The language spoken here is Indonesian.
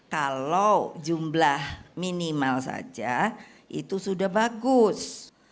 kalau jumlah minimal saja itu sudah bagus